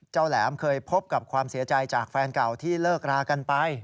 แหลมเคยพบกับความเสียใจจากแฟนเก่าที่เลิกรากันไป